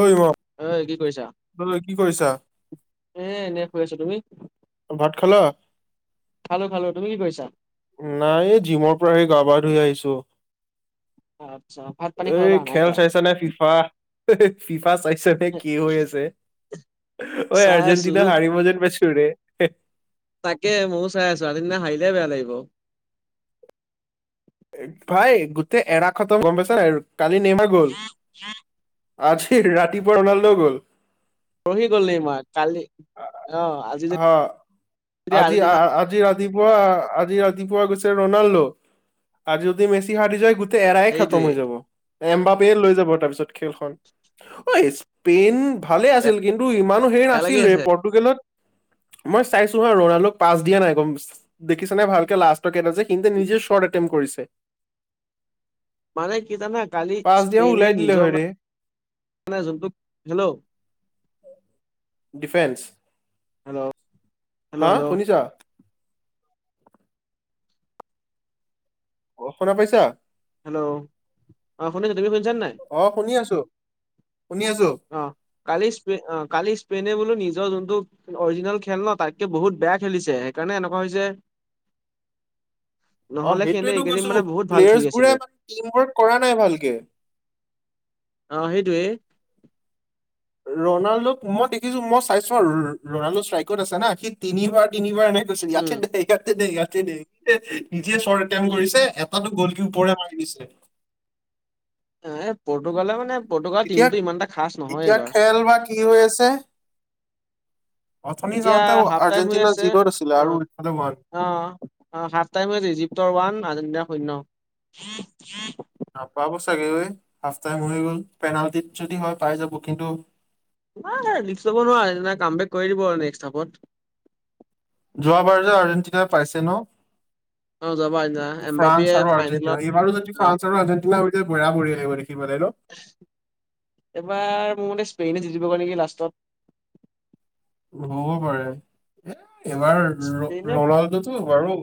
ঐ ম অই কি কৰিছা? ত কি কৰিছা? এ এনে শুই আছো তুমি? ভাত খালা খালো খালো। তুমি কি কৰিছা? নাই এই জিমৰ পৰা সি গা পা ধুই আহিছো। আত্চ্ছা। এই খেল চাইছা নে ফিফা? ফিফা চাইছা নে কি হৈ আছে? ঐ চাই আছো আৰ্জেণ্টিনা হাৰিব যেন পাইছো ৰে। তাকে ময়ো চাই আছো। আৰ্জেণ্টিনা হাৰিলেহে বেয়া লাগিব। ভাই গোটে এৰা খত গম পাইছ কালি নেইমাৰ গল। আজি ৰাতিপুৱা ৰনাল্দ গ'ল। পৰহি গ'ল নেইমাৰ। কালি অ আজি আজি অ দিনা আজি ৰাত ৰাতিপুৱা আজি ৰাতিপুৱা গৈছে ৰনাল্ডো। আজি যদি মেচি হাৰি যায় গোটেই এৰাই খাতম সেইটোৱে হৈ যাব। এম্বাপেয়ে লৈ যাব তাৰপিছত খেলখন। ঐ স্পেইন ভালে বেয়া আছিল কিন্তু ইমানো বেয়া লাগি নাছিল ৰে আছে। পৰ্টুগালত মই চাইছো হা ৰনাল্ডোক পাছ দিয়া নাই। গম দেখিছানে ভালকে লাষ্টৰ কেইটা যে সিনতে নিজে শ্বৰ্ট এটেম্প্ত কৰিছে। মানে কি জানা কালি পাছ দিয়া হয় স্পেইনে ওলাই দিলে নিজৰ হয় [unintelligible] ৰে মানে যোনটো, হেল্ল ডিফেন্স হেল্ল' হেল্ল' হা হেল্ল' শুনিছা? অ শুনা পাইছা? হেল্ল' অ শুনিছো, তুমি শুনিছা নে নাই? অ শুনি আছো, শুনি আছো। অ কালি স্পে অ কালি স্পেইনে বোলো নিজৰ যোনটো অৰিজিনেল খেল ন তাতকে বহুত বেয়া খেলিছে, সেইকাৰণে এনেকুৱা হৈছে। [inaudible] অ নহ'লে সিহঁতে সেইটোৱেটো এইকেইদিন কৈছো। মানে বহুত ভাল খেলি আছিলে। প্লেয়াৰ্চবোৰে টিম ৱৰ্ক কৰা নাই ভালকে। অ সেইটোৱেই। ৰনাল্ডোক মই দেখিছো মই চাইছো আৰু ৰনাল্ডো ষ্ট্ৰাইকত আছে না। হি তিনিবাৰ তিনিবাৰ নে কৈছে ইয়াতে উম। দে, ইয়াতে দে, ইয়াতে দে। নিজে চৰ্ট এটেম্প্ত কৰিছে। এ তাতো গলকি ওপৰে মাৰি দিছে। এ পৰ্টুগালে মানে পৰ্টগাল এতিয়া টিমটো ইমান এটা খাচ নহয় এতিয়া এইবাৰ। খেল বা কি হৈ আছে অথনি এতিয়া যাওঁতে হাফ টাইম হৈ আৰ্জেণ্টিনা আছে। জিৰ'ত আছিলে অ' আৰু ইফালে মা অ, অ হাফ টাইম হৈ ৰিজিপ্তৰ ওৱান, আৰ্জেণ্টিনা শূন্য। [inaudible] নাপাব চাগে ঐ। হাফ টাইম হৈ গল। পেনাল্টিত যদি হয় পাই যাব কিন্তু [unintelligible] ৰিস্ক লব নোৱাৰে। আৰ্জেণ্টিনাই কাম বেক কৰি দিব নেক্সট হাফট। যোৱাবাৰ যে আৰ্জেণ্টিনাই পাইছে ন? অ যোৱাবাৰ আ ফ্ৰান্স আৰু আৰ্জেণ্টিনা। এইবাৰো যদি অ' ফ্ৰান্স আৰু আৰ্জেটিনা হৈতে বৰা বঢ়িয়া লাগিব দেখিবলৈ ন? এইবাৰ মোৰ মতে স্পেইনে জিকিবগে নেকি লাষ্টত। হ'ব পাৰে। এ এইবাৰ ৰ স্পেইনে ৰনাল্ডটো বাৰু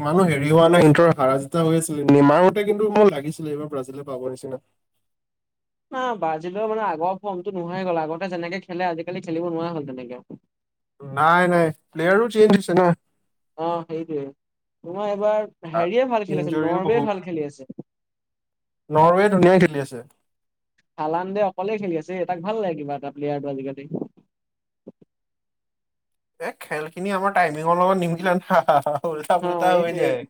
ইমানো হেৰি হোৱা নাই। ইনতৰ হাৰা জিতা হৈ আছিলে। নিমাওতে কিন্তু মই লাগিছিল এইবাৰ ব্ৰাজিল পাব নিচিনা। না ব্ৰাজিলৰ মানে আগৰ ফৰ্মটো নোহোৱা হৈ গ'ল। আগতে যেনেকে খেলে আজি-কালি খেলিব নোৱাৰা হ'ল তেনেকে। নাই নাই প্লেয়াৰো চেঞ্জ হৈছে না। অ সেইটোৱেই। তোমাৰ এইবাৰ হেৰিয়ে ভাল খেলি আছে, ইঞ্জৰিও নৰৱে বহুত ভাল খেলি আছে। নৰৱে ধুনীয়া খেলি আছে। হালানদে অকলে খেলি আছে। এ তাক ভাল লাগে কিবা এটা প্লেয়াৰটো আজি-কালি। এ খেলখিনি আমাৰ টাইমিঙৰ লগত নিমিলে না। [unintelligible] অ পুল্টা হৈ এইটোৱেই। যায়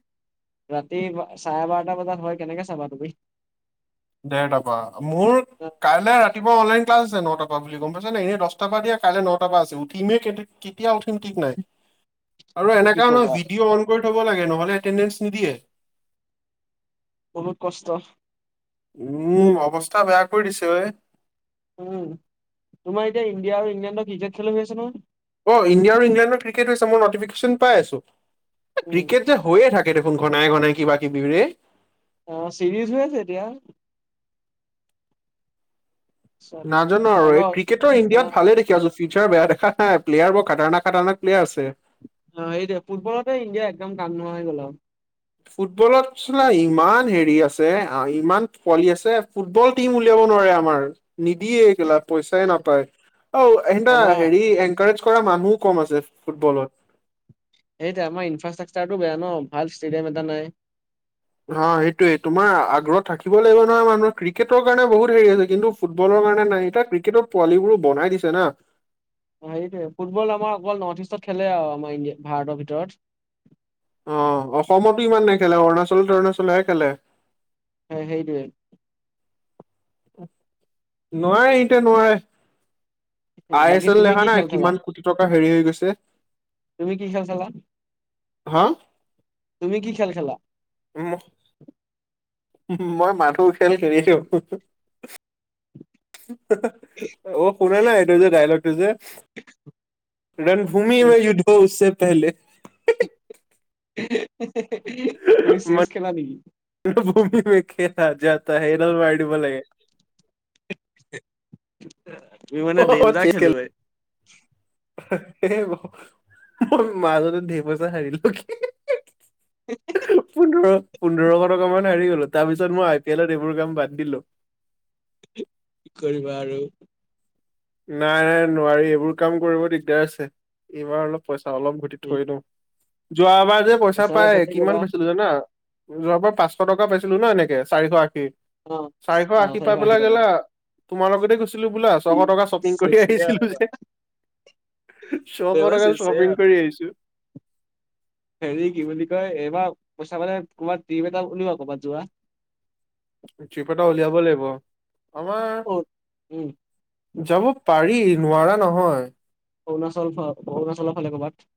ৰাতি বা চাৰে বাৰটা বজাত হয় কেনেকে চাবা তুমি? ডেৰটা পা মোৰ কাইলে ৰাতিপুৱা অনলাইন ক্লাছ আছে নটা পৰা বুলি গম পাইছ নাই, এনেই দছটা পা দিয়ে কাইলে নটা পা আছে। উঠিমেই কেই কিতিয়া উঠিম ঠিক নাই, আৰু কি এনেকা ন ক'বা ভিডিঅ' অন কৰি থব লাগে নহ'লে এটেণ্ডেঞ্চ নিদিয়ে। বহুত কষ্ট। উম, অৱস্থা বেয়া কৰি দিছে ঐ। উম, তোমাৰ এতিয়া ইণ্ডিয়া আৰু ইংলেণ্ডৰ ক্ৰিকেট খেলো হৈ আছে নহয়। অ', ইণ্ডিয়া আৰু ইংলেণ্ডৰ ক্ৰিকেট হৈছে মই নটিফিকেশ্যন পাই আছো। এ উম, ক্ৰিকেট হৈয়ে থাকে দেখোন ঘনাই ঘনাই কিবা কিবি ৰে। অ', চিৰিজ হৈ আছে এতিয়া। চব নাজানো আৰু এই এবাৰ ক্ৰিকেটৰ ইণ্ডিয়াত অ', ভালে দেখি আ ফিউচাৰ বেয়া দেখা নাই, প্লেয়াৰ বৰ খাটাৰনাক খাটাৰনাক প্লেয়াৰ আছে। অ', এইটোৱেই ফুটবলতে ইণ্দিয়া একদম কাম নোহোৱা হৈ গল আও। ফুটবলত চালা ইমান হেৰি আছে, আ ইমান পোৱলি আছে। ফুটবল টিম উলিয়াব নোৱাৰে আমাৰ। নিদিয়ে কেলা পইচাই নাপায়। অ', এ আমাৰ হেৰি এনকাৰ কৰা মানুহ কম আছে, ফুটবলত। এইতিয়া আমাৰ ইনফ্ৰাষ্ট্ৰাকচাৰটো বেয়া ন, ভাল ষ্টেডিয়াম এটা নাই। অ', সেইটোয়ে তোমাৰ আগ্ৰহ থাকিব লাগিব নহয় মানুহৰ, ক্ৰিকেটৰ কাৰণে বহুত হেৰি আছে কিন্তু ফুটবলৰ কাৰণে নাই। এতিয়া ক্ৰিকেটত পোৱালীবোৰো বনাই দিছে না। সেইটোৱে ফুটবল আমাৰ অকল নৰ্থ ইষ্টত খেলে আও আমাৰ ইণ্ডিয়া, ভাৰতৰ ভিতৰত। অ', অসমতো ইমান নেখেলে অৰুণাচল-তৰুণাচলতহে খেলে। হয়, সেইটোৱেই। নোৱাৰে, ইনতে নোৱাৰে। আই এছ বাকী এল তুমি দেখা কি নাই খেল খেলা? কিমান কোটি টকা হেৰি হৈ গৈছে। তুমি কি খেল খেলা? হা? তুমি কি খেল খেলা? উম, মই মাথো খেল খেলিছো। অ', শুনা নাই এতো যে ডায়লগ তোজে? ৰণভূমি মে যুদ্ধ হ উছে পহেলে তুমি চেচ খেলা নিকি? মন ভূমি মে খেলা যাত হে, এদাল মাৰিদিব লাগে। [unintelligible] তুমি মানে দনজাৰ খেলোৱৈ। হে, মোৰ মাজতে ধেৰ পইচা হাৰিলো কি পোন্ধৰ-পোন্ধৰশ টকা মান হাৰি গলো, তাৰ পিছত মই আই পি এলত এইবোৰ কাম বাদ দিলো। কি কৰিবা আৰু। নাই নোৱাৰি, এইবোৰ কাম কৰিব দিগদাৰ আছে। এইবাৰ অলপ পইচা অলপ ঘটি থৈ লওঁ। যোৱা বাৰ যে পইচা অলপ পায়, ঘটি কিমান কবা পাইছিলো জানা, যোৱাবাৰ পৰা পাঁচশ টকা পাইছিলো ন এনেকে চাৰিশ আশী অ চাৰিশ অ আশী পাই চাৰিশ পেলাই টকা। লা, তোমাৰ লগতে গৈছিলো বোলা ছশ টকা শ্বপিং কৰি চেচেয়া আহিছিলো যে, ছশ এইবাৰ টকাত চেচেয়া। শ্বপিং কৰি আহিছো। হেৰি কি বুলি কয়, এইবাৰ পইচা পালে কবাত ট্ৰিপ এটা উলোৱা কবাত যোৱা। ট্ৰিপ এটা উলিয়াব লাগিব। ক'ত? উম আমাৰ যাব পাৰি নোৱাৰা নহয়। অৰুণাচল ফা, অৰুণাচলৰ ফালে ক'বাত।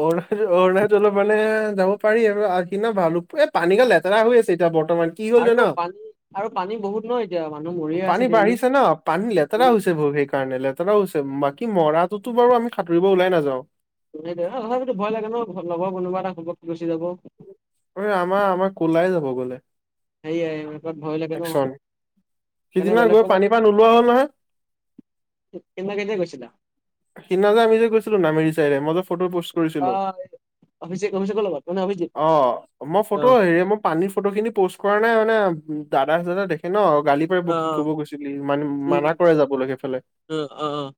অৰুণাচল-অৰুণাচলত মানে যাব পাৰি আৰু আগদিনা ভাল, এই পানীগাল লেতেৰা হৈ আছে এতিয়া বৰ্তমান। কি হল আৰু জান, পানী আৰু পানী বহুত ন এতিয়া মানুহ মৰিয়ে আছে পানী ডেইলি। বাঢ়িছে ন পানী লেতেৰা উম, হৈছে বৰ বে কাৰণে, লেতেৰা হৈছে বাকী মৰাটোতো বাৰু আমি সাতুৰিব ওলাই নাযাওঁ। [unintelligible] সেই তথাপিতো ভয় লাগে, লগৰ কোনোবা এটা ঘপক কে গুচি যাব। ঐ, আমাৰ আমাৰ কলাই যাব গ'লে। সেয়াই ভয় লাগে ন, একচন এনে সিদিনা বেলেগ গৈ কবাত? পানীৰ পৰা নোলোৱা হ'ল নহয় [unintelligible] গৈছিলা? সিদিনা যে আমি যে গৈছিলো নামেৰি চাইডে মই যে ফটো পষ্ট কৰিছিলো, অ' অভিষেক অভিষেকৰ লগত মানে অভিজিত। অ, মই ফটো অ' হেৰি মোক পানীৰ ফটোখিনি পোষ্ট কৰা নাই মানে দাদা- চাদাই দেখে ন' গালি তই বা অ' কি অ' কব গৈছিলি উম, মান-মানা কৰে যাবলে সেইফালে। [unintelligible] অ,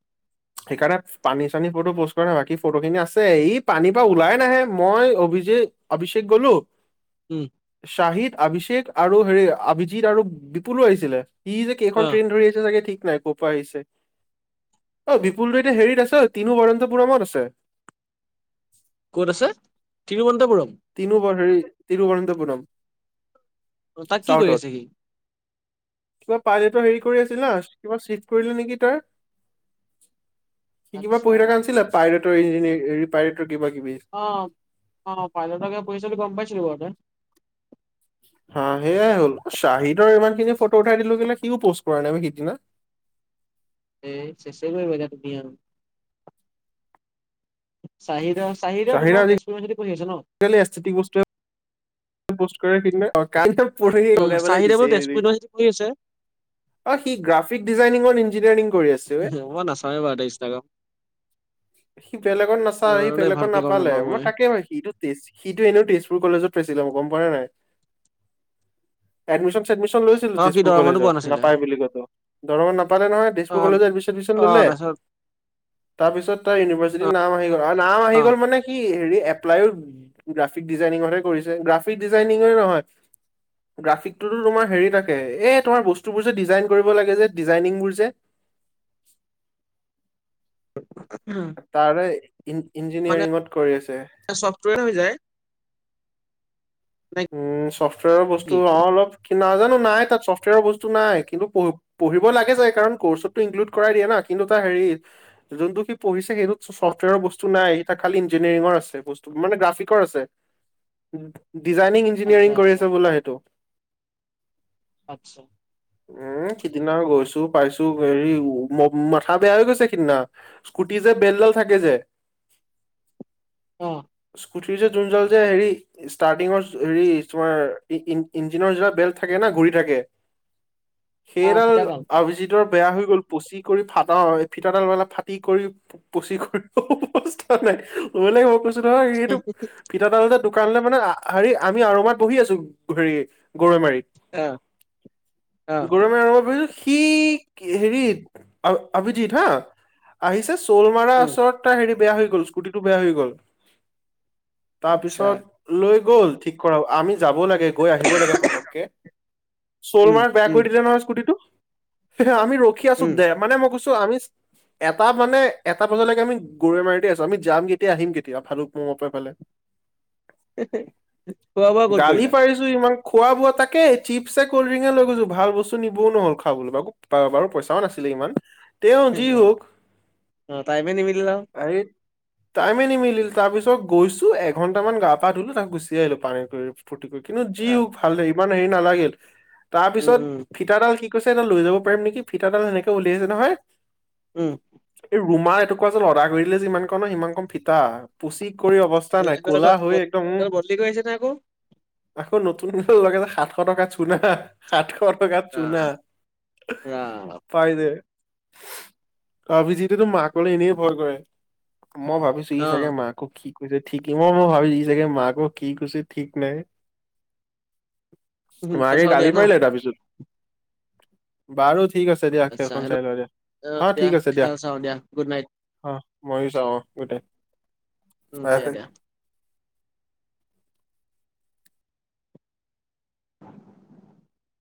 সেইকাৰণে পানী চানী ফটো পোষ্ট কৰা নাই বাকী ফটো খিনি আছে, ই পানীৰ পৰা ওলাই নাহে মই অভিজিত অভিষেক গলো উম, শাহিদ, অভিষেক আৰু হেৰি অভিজিত আৰু বিপুলো আহিছিলে। সি যে কেইখন অ' ট্ৰেইন ধৰি আছে চাগে ঠিক নাই ক'ৰ পৰা আহিছে, এ দী ফুলটো এতিয়া হেৰিত আছে, তিনো বৰন্তপুৰমত আছে। ক'ত আছে, তিৰুৱন্তপুৰম? তিনোবৰ হেৰি, তিৰুৱৰন্তপুৰম, অ' তাত কি কৰি চাউথত। আছে [inaudible] সি? কিবা পাইলেটৰ হেৰি কৰি আছিল ন' কিবা চিট কৰিলে নেকি তই? সি কিবা আচ্ছা পঢ়ি থকা আছিলে পাইলটৰ ইঞ্জিনাৰ পাইলটৰ কিবা কিবি। অ', অ, পাইলটৰকে পঢ়িছোঁ কিবা গম [unintelligible] হা সেয়াই হল, শ্বাহিদৰ ইমান খিনি ফটো উঠাই দিলো কিন্ত সিও পোষ্ট কৰা নাই সিদিনা। এ চেচেই [unintelligible] তুমি আৰু। চাহিদাও চাহিদাও শ্বাহিদে তোমাৰ তেজপুৰ ইউনিভাৰ্চিটিত পঢ়ি আছে ন'? আজিকালি এস্থিতিক বস্তুয়ে। পষ্ট কৰে সেইদিনা অ, কালিতো পৰহি উম, লগাই পেলাই চাহিদা বাৰু দিছে। তেজপুৰ হেৰি ইউনিভাৰ্চিটিত পৰি আছে। অ', সি গ্ৰাফিক ডিজাইনিং আৰু ইঞ্জিনিয়াৰিং কৰি আছে বে। মই নাচাওঁৱে বাৰু দে ইনষ্টাগ্ৰাম। সি বেলেগত নাচাই সি নাজানো দেই বেলেগত ভালকে গম নাপালে, নাপাওঁ মই তাকে ভা সিটো তেজ, সিটো এনেও তেজপুৰ কলেজত পাইছিলে গম পাইছে নে নাই? এডমিশ্যন ছেডমিশ্যন লৈছিলো অ সি তেজপুৰ দৰঙতো পোৱা কলেজত নাছিলে নাপাই বুলি কতো। দৰঙত নাপালে নহয় অ তেজপুৰ কলেজত এডমিছন [unintelligible] অ ল'লে। তাৰপিছত তাৰপিছত তাৰ ইউনিভাৰ্চিটিত নাম আহি গ'ল আৰু নাম আহি অ গল মানে কি হেৰি এপ্লাইও গ্ৰাফিক ডিজাইনিঙৰ হে কৰিছে গ্ৰাফিক ডিজাইনিঙৰে নহয় গ্ৰাফিকটোতো তোমাৰ হেৰি থাকোঁ এ তোমাৰ বস্তুবোৰ যে ডিজাইন কৰিব লাগে যে ডিজাইনিংবোৰ যে [unintelligible] তাৰে, ইন-ইঞ্জিনিয়াৰিঙত কৰি আছে। এ চফ্টৱেৰে হৈ যায়। নে উম, চফ্টৱেৰ বস্তু কি অ-অলপ কি নাজানো নাই তাত ছফ্টৱেৰ বস্তু নাই, কিন্তু পঢ় পঢ়িব লাগে যায় কাৰণ কৰ্চতটো ইনক্লুড কৰাই দিয়া না কিন্তু তাৰ হেৰি, যোনটো সি পঢ়িছে সেইটোত চফ্টৱেৰৰ বস্তু নাই এটা খালি ইঞ্জিনিয়াৰিঙৰ আছে বস্তু, মানে গ্ৰাফিকৰ আছে। ডিজাইনিং আচ্ছা ইঞ্জিনিয়াৰিং কৰি আচ্ছা আছে বোলে সেইটো। আচ্ছা। উম, সিদিনা গৈছো পাইছো হেৰি, মাথা বেয়া হৈ গৈছে সিদিনা। স্কুটিৰ যে বেলডাল থাকে যে অ', স্কুটি যে যোন [unintelligible] যে হেৰি ষ্টাৰ্টিঙৰ হেৰি তোমাৰ, ইন-ইঞ্জিনৰ যিটো বেল্ট থাকে ন' ঘূৰি থাকে। অ সেইডাল, ফিতাডাল অভিজিত ভিতৰ বেয়া হৈ গ'ল পচি কৰি ফাটা হৈ ফিটাডাল [unintelligible] ফাটি কৰি [unintelligible] নহয় সেইটো ফিটা দাল যে দোকান লে মানে হাৰি আমি আৰামত বহি আছো, হেৰি গৰৈমাৰীত। অ অ গৰমে ৰব বিজ - সি হেৰিত অভিজিত হা আহিছে চ'ল মাৰা উম ওচৰত হে বেয়া হৈ গল স্কুটিটো বেয়া হৈ গল। আচ্ছা তাৰপিছত লৈ গ'ল ঠিক কৰা আমি যাব লাগে। গৈ আহিব লাগে পতককে, চ'ল উম মাৰ্ক বেয়া উম কৰি দিলে নহয় স্কুটিটো। আমি ৰখি আছো উম দে, মানে মই কৈছো আমি এটা মানে এটা বজালৈকে আমি গৰৈমাৰিতে আছো, আমি যাম কেতিয়া আহিম কেতিয়া ভালুক পুঙৰ পৰা পালে- [inaudible] বোৱা ক'ত গালি কৰিলা পাৰিছো ছো, ইমান খোৱা বোৱা তাকে চিপছে কল্ড ড্ৰিংকে লৈ গৈছো ভাল বস্তু নিবও নহল খাবলৈ। তাৰ বাৰু পইছাও নাছিলে ইমান। তেওঁ যি অ হওক অ টাইমে নিমিলিলে আও হেৰি টাইমে নিমিলিল তাৰ পিছত গৈছো এঘন্টামান গা পা ধুলো তাক গুচি আহিলো পানী কৰি ফূৰ্তি কৰি কিন্তু যি অ হ ভাল ইমান হেৰি নালাগিল, তাৰ উম উম পিছত ফিটাডাল কি কছে এইডাল লৈ যাব পাৰিম নেকি, ফিটাদাল সেনেকে উলিয়াইছে নহয়। উম। এই ৰুমা এটুকুা যে লদা কৰিলে যিমান কন, সিমান কন ফিতা। পুচি কৰি অৱস্থা নাই ক'লা হৈ একদম দেৰিকৈ আহিছে ন আকৌ। আকৌ নতুনক লগে যে সাতশ টকাত চুনা। সাতশ টকাত চুনা ৰাম ৰাম পাই যে অভিজিতেতো মাকলৈ এনেই ভয় কৰে, মই ভাবিছো। সি অ চাগে মাকো কি কৈছে ঠিক ই মই মই ভাবিছো ই চাগে মাকো। কি কৈছে ঠিক নাই, খেল মাকে চাও গালি দিয়া ন পাৰিলে তাৰপিছত- বাৰু ঠিক আছে দিয়া আচ্ছা খেলখন হেল্ল' চাই লওঁ দিয়া অ হা ঠিক আছে দিয়া। খেল চাও গুড নাইট অ মইয়ো চাওঁ অ গোটেই উম বাই দিয়া দিয়া। [unintelligible]